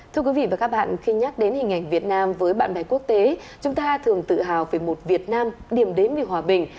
thưa quý vị và các bạn khi nhắc đến hình ảnh việt nam với bạn bè quốc tế chúng ta thường tự hào về một việt nam điểm đến về hòa bình